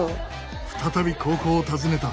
再び高校を訪ねた。